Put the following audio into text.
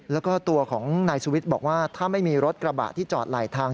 แล้วก็ตัวของนายสุวิทย์บอกว่าถ้าไม่มีรถกระบะที่จอดไหลทาง